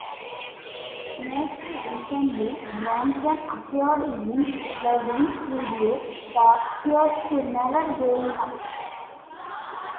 Most recently, Bronson appeared in Lavigne's video for "Here's to Never Growing Up".